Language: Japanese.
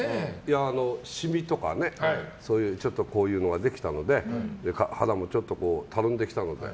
シミとかねこういうのができたので肌もたるんできたので。